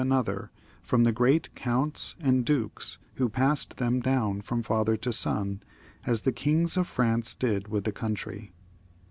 another from the great counts and dukes, who passed them down from father to son, as the kings of France did with the country.